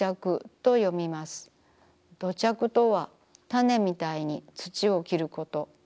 土着とは種みたいに土を着ること。